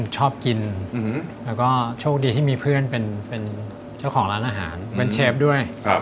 ชอบกินแล้วก็โชคดีที่มีเพื่อนเป็นเจ้าของร้านอาหารเป็นเชฟด้วย